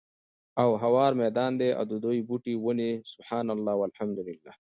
او هوار ميدان دی، او ددي بوټي وني سُبْحَانَ اللهِ، وَالْحَمْدُ للهِ